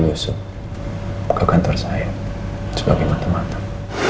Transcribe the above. menyusup ke kantor saya sebagai mantan mantan